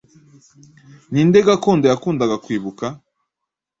Ninde gakondo yakundaga kwibuka